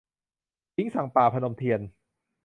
สิงห์สั่งป่า - พนมเทียน